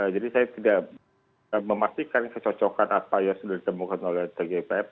jadi saya tidak memastikan kecocokan apa yang sudah ditemukan oleh tgipf